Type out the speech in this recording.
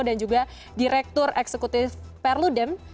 dan juga direktur eksekutif perludem hoerunisa agustianto